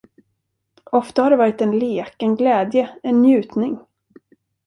Ofta har det varit en lek, en glädje, en njutning.